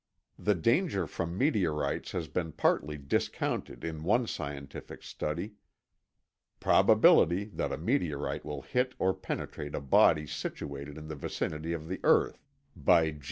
The danger from meteorites has been partly discounted in one scientific study. ("Probability that a meteorite will hit or penetrate a body situated in the vicinity of the earth," by G.